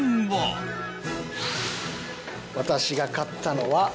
私が買ったのは。